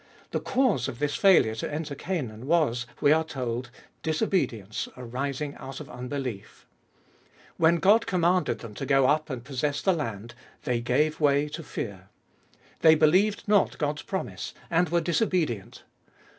The cause of this failure to enter Canaan was, we are told, disobedience, arising out of unbelief. When MO ftbe Doliest of Bit God commanded them to go up and possess the land, they gave way to fear. They believed not God's promise, and were disobedient.